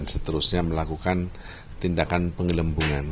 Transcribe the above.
seterusnya melakukan tindakan penggelembungan